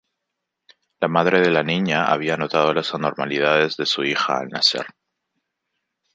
La madre de la niña había notado las anormalidades de su hija al nacer.